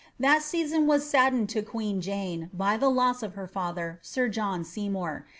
That season was addened to queen Jane by the loss of her father, sir John Seymour.